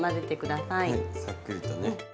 さっくりとね。